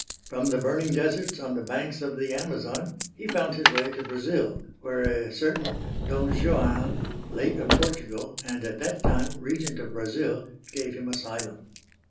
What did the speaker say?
From the burning deserts on the banks of the Amazon he found his way to Brazil, where a certain "Don Juan," late of Portugal and at that time Regent of Brazil, gave him asylum.